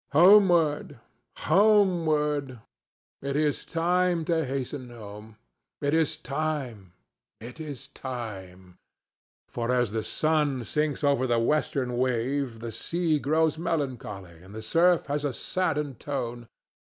Homeward! homeward! It is time to hasten home. It is time—it is time; for as the sun sinks over the western wave the sea grows melancholy and the surf has a saddened tone.